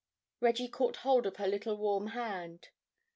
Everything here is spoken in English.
Reggie caught hold of her little warm hand.